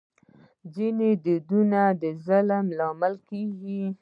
ځینې دودونه د ظلم لامل کېږي.